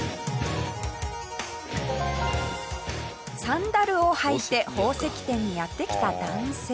サンダルを履いて宝石店にやって来た男性。